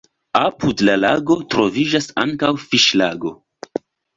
Apud la lago troviĝas ankaŭ fiŝlago.